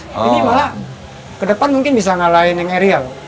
ini malah kedepan mungkin bisa ngalahin yang aerial